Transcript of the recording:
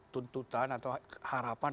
tuntutan atau harapan